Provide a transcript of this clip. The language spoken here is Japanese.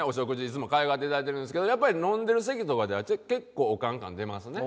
いつもかわいがっていただいてるんですけどやっぱり飲んでる席とかでは結構オカン感出ますね。